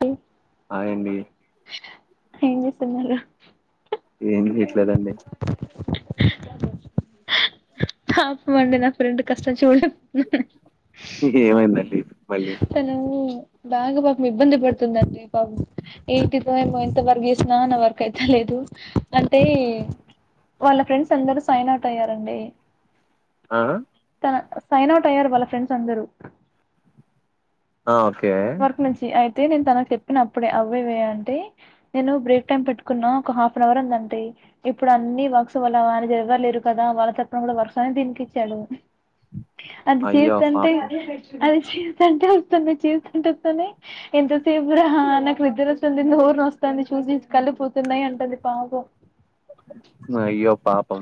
హల్ hi అండి. ఏం జేసునాలు ఏం హేట్లేదండి. పాపమండి నా ఫ్రెండ్ కష్టం చూడలేకపోతున్నా ఇ హేమైందండి మళ్ళీ తను బాగా పాపం ఇబ్బంది పడుతుందండి పాపు ఇంటిదో ఏమో ఎంత వర్క్ జేసిన నా వర్కు అయితా లేదు. అంటే వాళ్ళ ఫ్రెండ్స్ అందరు సైన్ అవుట్ అయ్యారండి. ఆహ్ తన సైన్ అవుట్ అయ్యారు వాళ్ళ ఫ్రెండ్స్ అందరూ ఆ ఓకే వరకు నుంచి అయితే నేను తనకు చెప్పినప్పుడే అవేవే అంటే నేను బ్రేక్ టైమ్ పెట్టుకున్నా ఒక హాఫ్ అన్ అవర్ ఉందంటే. ఇప్పుడు అన్ని వర్క్స్ వాళ్ళ ఆయన జరవలేరు కదా వాళ్ళ తరప్పన కూడా వర్సాని దీనికి ఇచ్చాడు. అది అయ్యో చేస్తంటే పాపం అది చేస్తంటే వస్తుంది, చేస్తుంటే వస్తుంనై. ఎంత సేప్ గూడ హ నాకు నిదరస్తుంది నోర్ నొస్తాంది చూసి కళ్లుపోతున్నాయ్ అంటుది పాపం నయ్యో పాపం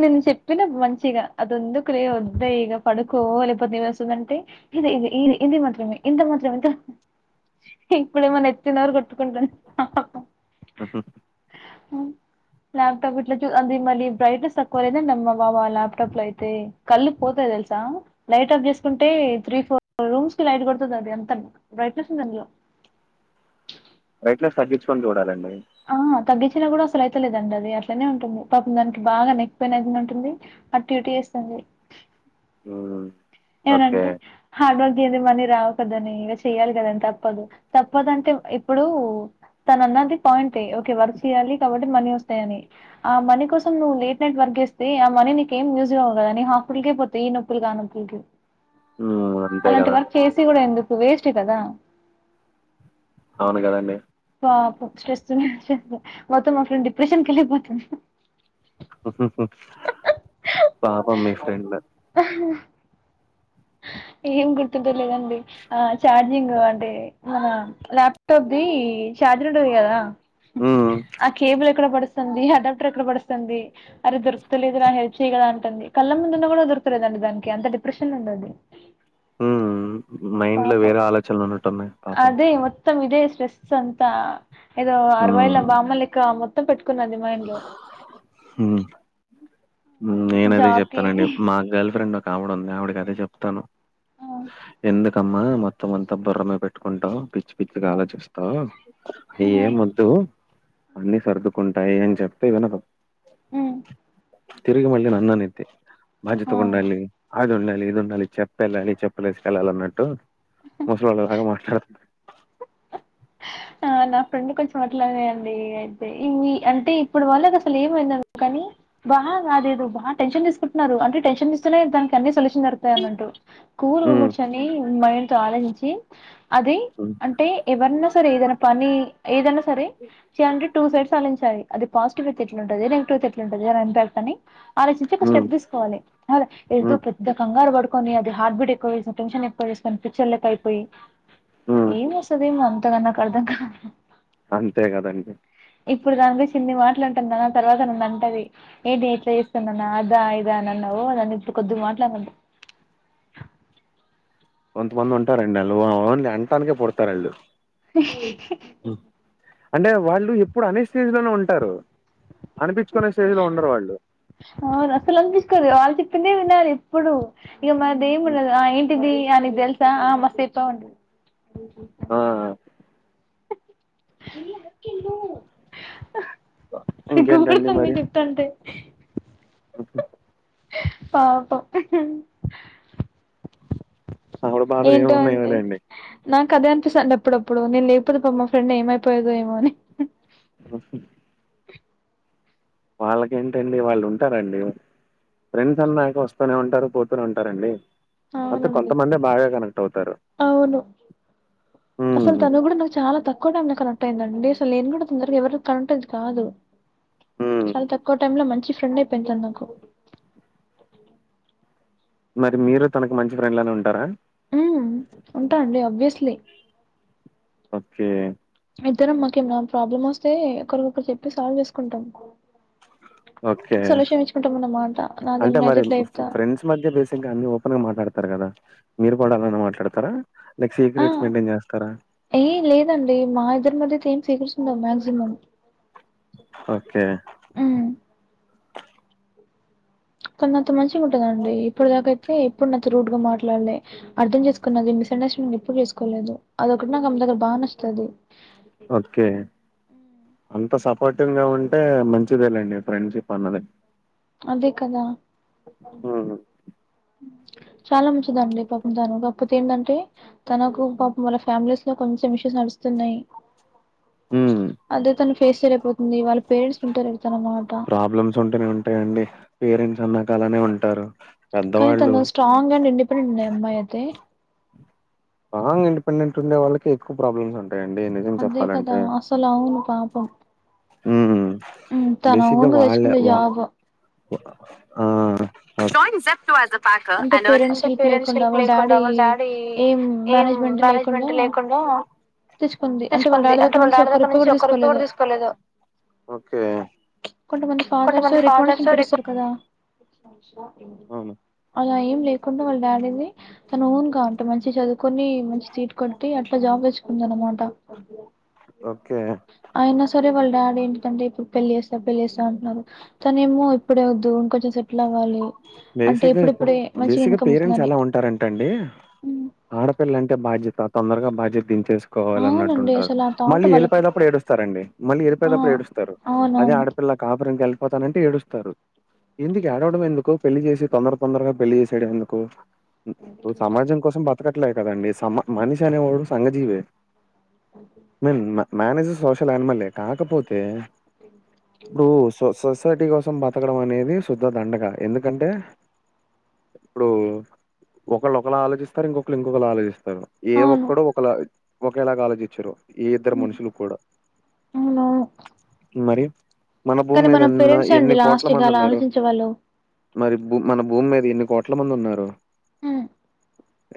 నీన్ చెప్పిన మంచిగా అది ఎందుకులే ఓదే ఇగ పడుకో లేకపోతే నేన్ వస్తుందంటే ఇధే ఇధే ఈధే ఇది మాత్రమే ఇంత మాత్రమే త ఇప్పుడు ఏమో నెత్తినోరు కొట్టుకుంటంది. ఉహుహ్ లాత్ తాగట్లజు అధి మళ్ళిబ్ బ్రెయిటనెస్ తక్కువ లేదండి అమ్మ బాబా ల్యాప్టాప్ లో అయితే కళ్ళు పోతాయ్ దేలుసా. లైట్ ఆఫ్ జేసుకుంటే త్రీ ఫోర్ రూమ్స్ కి లైట్ కొడుతుంది అది ఎంత బ్రైట్నెస్ ఉంది అందులో బ్రెయిటనెస్ తగ్గించుకొని జుడాలండి. ఆ తగ్గించినా కూడా అసలు ఆ ఆ ఆ ఆ ఆ ఆ తగ్గించినా గూడా అసలు అయితలేదండి అది అట్లనే ఉంటుంది. పాపం దానికి బాగా నెక్ పెయిన్ అయితుంది అంటుంది. అటి ఇటూ ఏస్తుంది. ఓయ్ ఎవరంటే హార్డ్ వర్కి ఏయాందే మనీ రావు కదనే ఇలా చెయాలి కదని తప్పదు తప్పదుంటే ఇప్పుడు తన అన్నది పాయింట్ ఓకే వర్క్ చేయాలి కాబట్టి మనీ వస్తాయని. ఆ మనీ కోసం నువ్వు లేట్ నైట్ వర్క్ జేస్తే ఆ మనీ నీకేం యూజ్ గావు గదనే హాస్పిటల్ కే పోతాయ్ ఈ నొప్ పుల్ కాగాకి ఇది ఉహుహ్ గాట్ అలాంటి వర్క్ చేసి కూడా ఎందుకు వేస్ట్ ఏ కదా అవును గదండి. పాప స్ట్రెస్ మొత్తం మా ఫ్రెండ్ డిప్రెషన్క్ ఏళ్ళిపోతుంది. ఉహుహ్ పాపం మీ ఫ్రెండ్ ఆ ఏమ్ గుర్తుటలేదండి. ఆ ఛార్జింగ్ అంటే మన ల్యాప్టాప్ది ఛార్జర్ ఉంటది కదా మ్మ్ ఆ కేబుల్ ఎక్కడ పడుస్తుంది అడాప్టర్ ఎక్కడ పడుస్తుంది అరేద్దర్ తుదలేదా రా హెల్ప్ చేయదా అంటుంది కళ్ళ ముందున్న కూడా దొరకలేదంట దానికి అంత డిప్రెషన్ ఉందది ఉ మైండ్ లో పాపం వేరే ఆలోచనలు ఉన్నటు ఉన్నాయి పాపం అదే మొత్తం ఇదే స్ట్రెస్ అంతా ఏదో అరవైల మ్మ్ బామ్మలెక్క మొత్తం పెట్టుకుందండి మైండ్లో ఇప్పుడు నేనదే జాబ్ కి చెప్తానండి మా గర్ల్ ఫ్రెండ్ ఆవిడ ఉంది ఆవిడికి అదే చెప్తాను ఆ ఎందుకమ్మా మొత్తం అంతా బుర్ర మీద పెట్టుకుంటావ్ పిచ్చి పిచ్చగా ఆలోచిస్తావు అయి ఆ ఎం వద్దు అన్ని సర్దుకుంటాయి అన్ చెప్తే వినదు ఉమ్ తిరిగి మళ్ళీ నన్ను అన్నిద్ధి ఆ బాధ్యతగుండాలి అది ఉండాలి ఇది ఉండాలి చెప్పేళ్ళాలి చెప్పలేసుకెళ్ళాలి అన్నట్టు ముసల్లోల్ల లాగా మాట్లా ఆ నా ఫ్రెండ్ కొంచెం అట్లనే అండి అయితే ఈ అంటే ఇప్పుడు వాళ్ళకి అసలు ఏమైంది కానీ బాగాదేదు బా టెన్షన్ తీసుకుంటున్నారు అంటే టెన్షన్ తీస్తనే దానికి అన్ని సొల్యూషన్ జరుగుతాయి అన్నట్టు కూల్ హ్మ్ కూర్చొని మైండ్ తో ఆలోచించి అది హ్మ్ అంటే ఎవరినో ఏదైనా పని ఏదైనా సరే చి అంటే టూ సైడ్స్ ఆలోచించాలి అది పాజిటివ్ అయితే ఎట్లుంటది నెగిటివ్ట్ అయితే ఎట్లుంటది అని చెప్పని ఆలోచించి ఒక హ్మ్ స్టెప్ తీసుకోవాలి అ ఎళ్తూ హ్మ్ ప్ర పెద్ద కంగారు పడుకొని అది హార్ట్ బీట్ ఎక్కువ చేసుకుని టెన్షన్ ఎక్కువ చేసుకుని పిచ్చోల్ లెక్క అయిపోయి హ్మ్ ఎం చేస్తది అంతగా నాకు అర్థం కావట అంతే కదండి ఇప్పుడు దాని గురించి ఇన్ని మాట్లంటాన్న కదా తర్వాత నన్ను అంటది ఏంటి ఎట్లా చేస్తానున్న అదా ఇదా అని అన్నావు నన్ను ఇప్పుడు కొద్దిగా మాట్లాడన కొంత మంది ఉంటారండి ఆళ్లు ఓన్లీ అంటానికే పుడుతారు ఆళ్ళు అంటే వాళ్ళు ఎప్పుడు అనే స్టేజ్ లోనే ఉంటారు అనిపించుకునే స్టేజీలో ఉండరు వాళ్ళు అవును అసలు అనిపిస్తది వాళ్ళు చెప్పిందే వినాలి ఎప్పుడు ఇగ మాదేమి హ్మ్. ఉండదు ఆ ఏంటిది ఆ నీకు తెలుసా ఆ మస్త్ చెప్పినావ్ అంటది ఆ గూగుల్ ఇంకేంటండి ఉంది చెప్ తంతే ఉహు పాపం ఆవిడ బాధలు ఏంటో అండి ఏమున్నాయిలేండి నాకు అదే అనిపిస్తుండి అప్పుడప్పుడు నేను లేకపోతే పామ్ మా ఫ్రెండ్ ఏమైపోయేదోమోని [unintelligible] వాళ్ళకేంటండి వాళ్ళు ఉంటారండి ఫ్రెండ్స్ అన్నాక వస్తనే ఉంటారు పోతూనే ఉంటారండి అంటే అవునండి కొంతమంది బాగా కనెక్ట్ అవుతారు అవును ఉ అసలు తను కూడా నాకు చాలా తక్కువ టైమ్ లో కనెక్ట్ అయిందండి అసలు నేను కూడా తొందరగా ఎవరి కనక్ట్ అది కాదు హ్మ్. చాలా తక్కువ టైమ్ లో మంచి ఫ్రెండ్ అయిపోయింది తను నాకు మరి మీరు తనకు మంచి ఫ్రెండ్లానే ఉంటారా ఉమ్మ్ ఉంటా అండి అబ్వియస్లీ ఓకే ఇద్దరం మాకేమ్ నామ్ ప్రాబ్లమ్ ఓస్తే ఒకరిఒకర్ చెప్పి సాల్వ్ చేసుకుంటాం ఓకే. సొల్యూషన్ ఇచ్చుకుంటామన్నమాట నాదేమైతే ఇట్లా చెప్తా మద్య బేసిక్గా అన్ని ఓపన్ గా మాట్డతారు గదా మీరు పడాలన్నా మాట్లాడతారా లేక్ ఆ సీక్రెట్స్ మెయింటైన్ చేస్తారా ఏ లేదండి మా ఇద్దరి మధ్యతే ఏం సీక్రస్ ఉండవు మాక్సిమం ఓకే ఊ కొన్నాత్తో మంచిగుంటందండి ఇప్పుడు దాకైతే ఎప్పుడ్ నాకి రూడ్ గా మాట్లాడలే అర్థం చేసుకున్నది మిస్ అండర్స్టాంగ్ ఎప్పుడు చేసుకోలేదు అదొకట్ నాక్ అమ్ దగ్గర బా నచ్చుతది ఓకే అంత సపోర్టివ్ గా ఉంటే మంచిదేలండి ఫ్రెండ్షిప్ అన్నది అదే కదా హ్మ్. చాలా మంచిదండి పాపం తను కాక్ పోతే ఏందంటే తనకు పాపం వాళ్ల ఫ్యామిలీస్ లో కొంచెం ఇషూస్ నడుస్తున్నయ్ హ్మ్. అదే తను ఫేస్ చేయలేకపోతుంది వాళ్ళ పేరెంట్స్ వింటాలేర్ తన మాట ప్రాబ్లమ్స్ ఉంటేనే ఉంటాయండి పేరెంట్స్ అన్నాక అలానే ఉంటారు కానీ పెద్దవాళ్ళు తన స్ట్రాంగ్ అండ్ ఇండిపెండెంట్ ఉన్ అమ్మాయి అయితే రాంగ్ ఇండిపెండెంట్ ఉండే వాళ్ళకె ఎక్కు ప్రాబ్లమ్స్ అన్ టెండి నిజ అదే కదా అసలువును పాపం ఊమ్ ఉమ్ తను బేసిక్గా ఓన్గా వాళ్లే తెచ్చుకుంది వ జాబ్ ఆ అంటె పేరెంట్స్ హెల్ప్ లేకుండా వాళ్ డాడీ ఏం మానేజ్ మానేజ్మెంట్ లేకుండా తెచ్చుకుంది అంటే వాళ్ డాడీ దగ్గర నుంచి ఒక్క రూపాయి కూడ్ తీసుకోలేదు ఓకే కొంత మంది ఫాదర్స్ కొంతమంది ఫాదర్స్ రికండేషన్ రిక్వ పెట్టిస్తారు కదా అవును అలా ఏం లే కుంద వాల్ డాడీని తను ఊన్గా అంటే మంచి చదువుకొని మంచి సీట్ కొట్టి అట్లా జాబ్ తెచ్చుకుందన మాట ఓకే అయినా సరే వాళ్ డాడీ ఏంటంటే ఇప్పుడు పెళ్ళి చేస్తా పెళ్ళి చేస్తా అంటున్నారు తనేమో ఇప్పుడేవొద్దు ఇంకొంచె సెటిల్ అవ్వాలి అంటే బేసిక్గా ఇప్పుడు ఇప్పుడిప్పుడే మంచిగా బేసిక్గా ఇన్కమ్ పేరెంట్స్ వస్తుందని ఎలా ఉంటారంటండి హ్మ్. ఆడపిల్లంటే బాధ్యత తొందరగా బాధ్యదించేస్ కోవాలన్నట్టు అవునండి ఉంటా అసలు ఆ థాట్ మళ్ళీ వాళ్ళకి యెళ్ళిపోేటప్పు ఏడుస్తారండి మళ్ళీ ఆ యెళ్ళిపోయిటప్పు ఏడుస్తారు అదే అవునవును ఆడపిల్ల కాపురంకెళ్ళిపోతానంటే ఏడుస్తారు ఎందుక్ యాడవడం ఎందుక్ కు పెళ్లి చేసి తొందర తొందరగా పెళ్లి చేసేయడం ఎందుకు ఇప్పు సమాజం కోసం బత్ తకట్లే కదండి సమ మనిషనేవోడు సంఘజీవేమెన్న మేనేజ్ సోషల్ ఆనిమల్లే కాకపోతే ఇ ఇప్పుడు సొ సొసైటీ కోసం బతకడం అనేది శుద్ధ దండగ ఎందుకంటే ఇప్పుడు ఒకళ్ళోకళ్ళ ఆలోచిస్తారు ఇంకొకర్ ఇంకొకల్ ఆలోచిస్ సర ఏ అవును ఒక్కడు ఒకలా ఒకేలాగా ఆలోచించరు ఈ ఇద్దరు హ్మ్. మనుషులు కూడా అవునవును మరి మన భూమి మీద ఎన్నో ఎన్ని కోట్ల మంది ఉన్నారు. వాళ్లు. మరి భూ మన భూమి మీద ఎన్ని కోట్ల మంది ఉన్నారు. హ.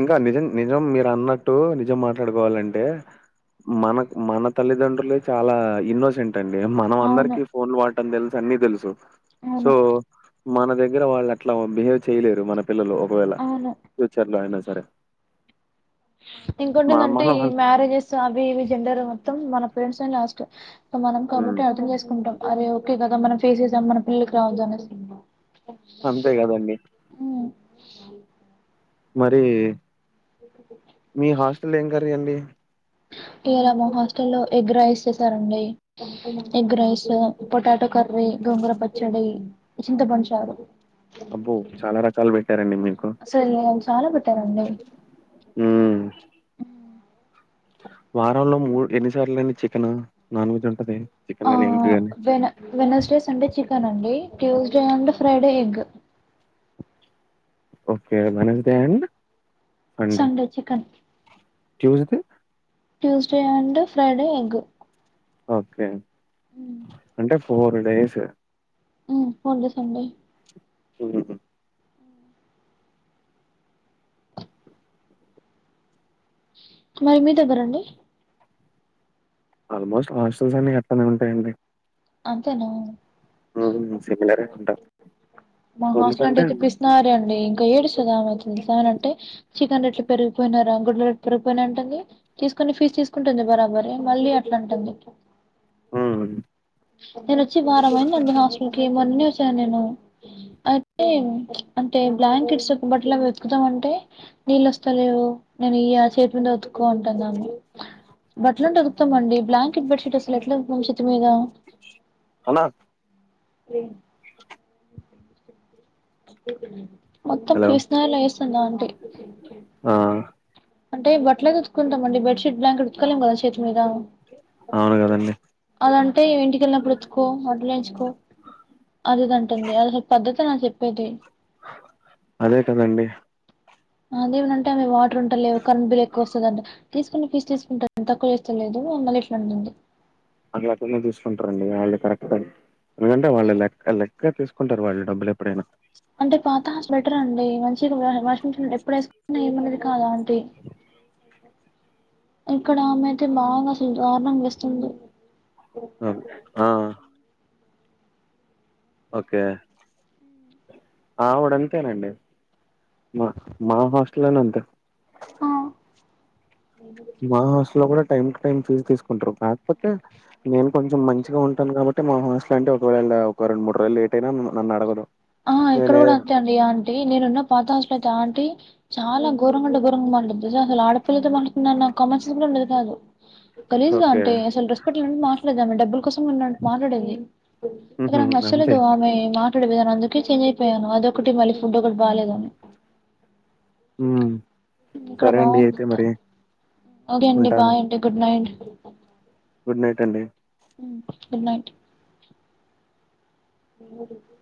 ఇంకా నిజం నిజం మీరు అన్నట్టు నిజం మాట్లాడుకోవాలంటే. మన మన తల్లిదండ్రులే చాలా ఇన్నోసెంట్. అండే మనం అవును అందరికి ఫోన్లు వాడటం తెలుసు అన్ని తెలుసు అవును సో. మన దగ్గర వాళ్ళు అట్లా బిహేవ్ చేయలేరు మన పిల్లలు ఒకవేళ అవును ఫ్యూచర్ లో అయినా సరే. ఇంకోటి మా ఏందంటే మనం ఈ మ్యారేజెస్ అవి ఇవి జెండర్ మొత్తం మన ప్రెడ్స్ ఏ లాస్ట్. సో మనం హ్మ్ కాబట్టి అర్థం చేసుకుంటాం అదే ఓకే కదా మనం ఫేస్ చేసాం మన పిల్లకి రావద్దు అనేస్. అంతే కదండి. మరి మీ హాస్టల్ ఏం కర్రీ అండి. ఇ రామో హాస్టల్ లో ఎగ్ రైస్ చేశారండోయ్. Egg rice potato curry Gongura పచ్చడి చింతపంషారు. అబ్బో చాలా రకాలు పెట్టారండి మీకు సరే చాలా పెట్టారండి. ఆ. వారంలో మూడ్ ఎన్ని సార్లైనా చికెన్ నాన్ వెజ్ ఉంటది. చికెన్ ఆ గాని ఎగ్ గాని వెన వెనస్డే సండే చికెన్ అండి Tuesday and Friday egg. Okay Wednesday and. Sunday chicken. Tuesday. Tuesday and Friday egg. Okay అంటే ఫోర్ డేస్. ఉ ఫోర్ డేస్ అండి. ఉ మరి మీ దగ్గర అండి. ఆల్మోస్ట్ హాస్టల్స్ అన్ని అట్టానే ఉంటాయండి. అంతేనా హ్మ్. సిమిలరే ఉంటాయి. మా హాస్ల్ అంట ఎందుకంటే అయితే పిస్. సారే అండి ఇంకా ఏడుస్తది ఆమెకి ఈసారి అంటే. చికెన్ రేట్లు పెరిగిపోయినాయి రా అంగళ్ళ రెట్లు పెరిగిపోయినై అంటంది. తీసుకుని ఫీజు తీసుకుంటుంది బరాబర మళ్ళీ అట్లా అంటుంది. ఊ. నేను వచ్చి వారం అయిందండి హాస్టల్ కి మొన్నే వచ్చాను నేను. అయితే అంటే బ్లాంకెట్స్ ఒక బట్లా వెతుకుతామంటే. నీళ్ళ వస్తాలేవు నేను ఈయా చేతి మీద ఉతుక్కో అంటుందామె. బట్టలు అంటే ఉతుకుతామండి బ్లాంకెట్ బెడ్ షీట్ అసలు ఎట్లాఉంషితం మీక. అనా. ఏ. మొత్తం హలో! ఫిస్ నాయిల్ ల్లో వేసినామ్ గా ఆంటి. ఆ. అంటే బట్టలేదుతుకుంటాంమండి బెడ్షీట్ బ్లాంకెట్ ఉతుక్కలేం కదా చేతి మీద. అవును గదండీ. అలాంటే ఇంటికెళ్ళినప్పుడు వెత్తుకో వడ్లుంచుకో. అది ఇదంటుంది అసలు పద్ధతి నా చెప్పేది. అదే కదండి. అదేమంటేవి వాటర్ ఉంటారు లేవు కరంట్ బిల్ ఎక్కువ వస్తుందంట. తీసుకుని పీస్ తీసుకుంటా తక్కువ చేస్తలేదు మళ్ళీ ఇట్లాంటుంది అలాకు తీసుకుంటారండి వాళ్ళు కరెక్ట్ ఎందుకంటే వాళ్ళు లెక్క లెక్క తీ ంటారుళ్ళు డబ్బులు ఎప్పుడైనా అంటే పాత హాల్స్ బెటర్ అండి మంచిగా వాషింగ్ మిషన్ ఎప్పుడు వేసుకున్నా ఏమది కాదా అ ఇక్కడ ఆమె అయితే బాగా అసలు దారుణం చే స్తుంది అ ఆ ఓకే మావోడు అయినఅంతేనండి మా మా హాస్టల్లోనే అంతే ఆ మా హాస్టల్ లో కూడా టైమ్ టు టైమ్ ఫీజు తీసుకుంటారు కాకపోతే నేను కొంచెం మంచిగా ఉంటాను కాబట్టి మా హాస్టల్ అంటే ఒకవేళ ఒక రెండు మూడు రోజులు లేట్ అయినా నన్ను అడగదు ఆ ఇక్కడ నేనే కూడా అంతే అండి ఆంటీ నేనున్న పాత హాస్లో అయితే ఆంటీ చాలా ఘోరం అంటే ఘోరంగా మాట్లాడతాది అసలు ఆడపిల్లతో మాట్లాడుతున్న అన్న కామెన్సెన్స్ కూడా ఉండదు కాదు గలీజ్ గా ఓకే. అంటే అసల రెస్పెక్ట్ లేనట్టు మాట్లాడేది డబ్బుల కోసం ఉన్నట్ మాట్డేది అక్కడ హుహు. నాకు అంతే. నచ్చలేదు ఆమె మాట ఇక్కడ అందుకే చేంజ్ అయిపోయాను అదొకటి మళ్ళీ ఫుడ్ ఒకటి బాలేదుని హ్మ్ ఇక్కడ సరే అండి బావుంది అయితే అంతా మరి ఒక అండి బై ఉంటాను అండి గుడ్ నైట్ గుడ్ నైట్ అండి హమ్ గుడ్ నైట్ అ